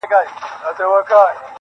جانان ستا وي او په برخه د بل چا سي-